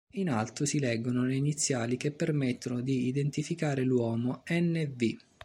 In alto si leggono le iniziali che permettono di identificare l'uomo: "N V".